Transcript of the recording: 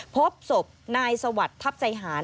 พบศพนายสวัสดิ์ทัพใจหาร